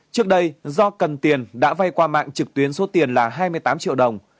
trước đây do cần tiền đã vay qua mạng trực tuyến số tiền là hai mươi tám triệu đồng